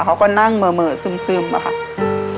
เขาก็นั่งเหม่อซึมอะค่ะ